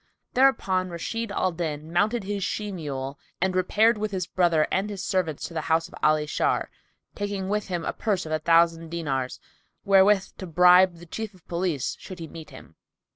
Thereupon Rashid al Din mounted his she mule and repaired with his brother and his servants to the house of Ali Shar, taking with him a purse of a thousand dinars, wherewith to bribe the Chief of Police, should he meet him.